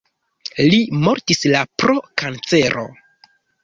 Li mortis la pro kancero.